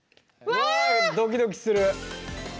わあドキドキする。